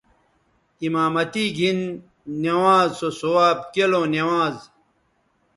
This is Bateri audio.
امامتی گھن نوانز سو ثواب کیلوں نوانز